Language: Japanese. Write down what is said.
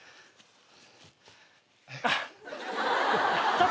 あっ。